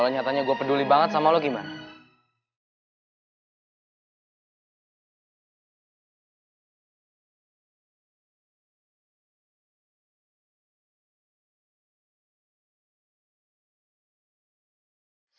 nyatanya gue peduli banget sama lo gimana